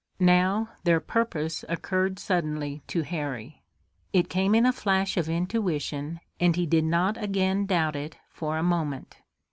Now their purpose occurred suddenly to Harry. It came in a flash of intuition, and he did not again doubt it for a moment.